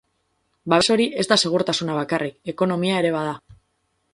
Babes hori ez da segurtasuna bakarrik, ekonomia ere bada.